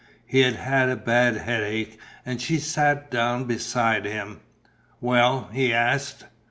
He had a bad headache and she sat down beside him. "Well?" he asked.